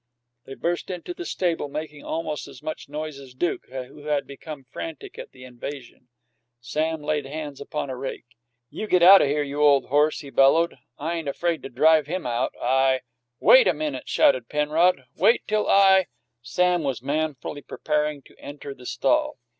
They burst into the stable, making almost as much noise as Duke, who had become frantic at the invasion. Sam laid hands upon a rake. "You get out o' there, you ole horse, you!" he bellowed. "I ain't afraid to drive him out. I " "Wait a minute!" shouted Penrod. "Wait till I " Sam was manfully preparing to enter the stall.